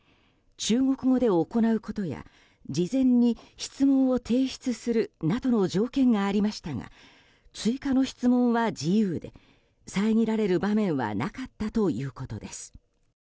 中国語で行うことや事前に質問を提出するなどの条件がありましたが追加の質問は自由で遮られる場面はなかったということです。